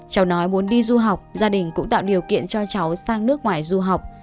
cháu nói muốn đi du học gia đình cũng tạo điều kiện cho cháu sang nước ngoài du học